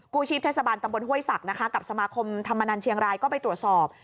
ชีพเทศบาลตำบลห้วยศักดิ์นะคะกับสมาคมธรรมนันเชียงรายก็ไปตรวจสอบ